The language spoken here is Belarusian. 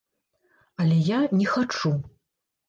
Але я не хачу!